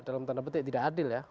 dalam tanda petik tidak adil ya